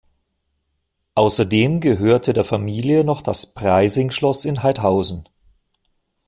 Außerdem gehörte der Familie noch das Preysing-Schloss in Haidhausen.